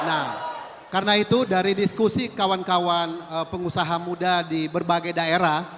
nah karena itu dari diskusi kawan kawan pengusaha muda di berbagai daerah